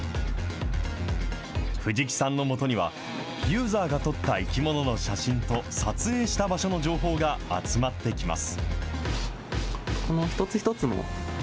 藤木さんのもとには、ユーザーが撮った生き物の写真と撮影した場所の情報が集まってきます。